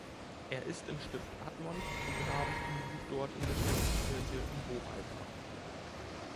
Er ist im Stift Admont begraben und ruht dort in der Stiftskirche im Hochaltar.